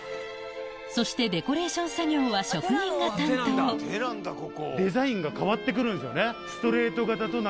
そしてデコレーション作業は職人が担当デザインが変わって来るんですよね。